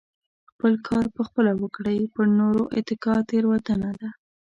خپل کار په خپله وکړئ پر نورو اتکا تيروتنه ده .